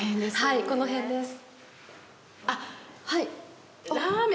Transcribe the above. はい、この辺です。